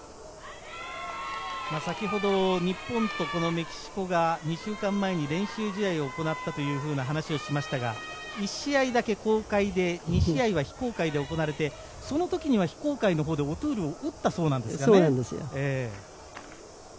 日本とメキシコが２週間前に練習試合を行ったという話もありましたが、１試合だけ公開、あとは非公開で行われて、非公開のほうでオトゥールを打ったそうなんですね。